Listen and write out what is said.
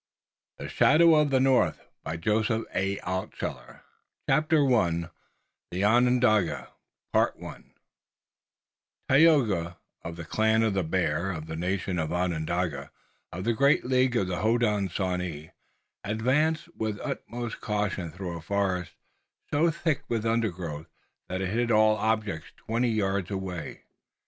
THE FOREST FIGHT THE SHADOW OF THE NORTH CHAPTER I THE ONONDAGA Tayoga, of the Clan of the Bear, of the nation Onondaga, of the great League of the Hodenosaunee, advanced with utmost caution through a forest, so thick with undergrowth that it hid all objects twenty yards away.